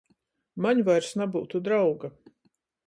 Maņ vairs nabyutu drauga.